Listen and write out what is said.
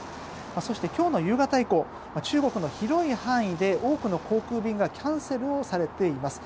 そして今日の夕方以降中国の広い範囲で多くの航空便がキャンセルをされています。